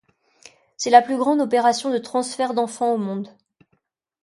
C'est la plus grande opération de transfert d'enfants au monde.